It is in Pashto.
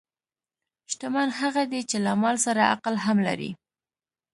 شتمن هغه دی چې له مال سره عقل هم لري.